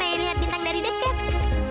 kayak lihat bintang dari dekat